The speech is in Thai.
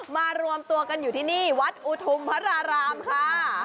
มารวมตัวกันอยู่ที่นี่วัดอุทุมพระรารามค่ะ